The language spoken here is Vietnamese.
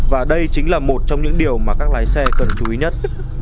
và đây chính là một trong những điều mà các lái xe cần chú ý nhất